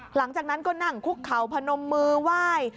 หลังจากนั้นก็นั่งคุกเข่าพนมมือไหว้